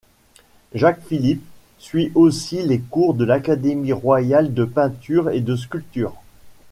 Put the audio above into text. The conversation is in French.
Jacques-Philippe suit aussi les cours de l'Académie royale de peinture et de sculpture.